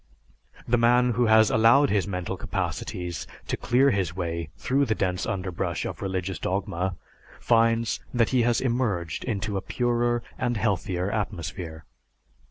The man who has allowed his mental capacities to clear his way through the dense underbrush of religious dogma finds that he has emerged into a purer and healthier atmosphere.